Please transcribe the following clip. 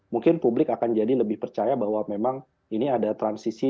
mungkin publik akan jadi lebih percaya bahwa memang ini ada transisi